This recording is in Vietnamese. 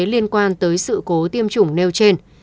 liên quan tới sự cố tiêm chủng nêu trên